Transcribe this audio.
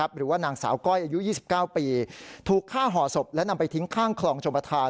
หรือว่านางสาวก้อยอายุ๒๙ปีถูกฆ่าห่อศพและนำไปทิ้งข้างคลองชมประธาน